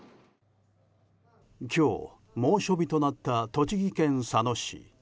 今日、猛暑日となった栃木県佐野市。